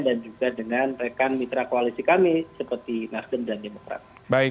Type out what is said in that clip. dan juga dengan rekan mitra koalisi kami seperti nasdem dan demokrat